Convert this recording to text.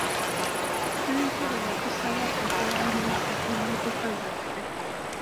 Ssentebe yatusaba okuwandiisa emmotoka zaffe.